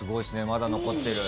まだ残ってる。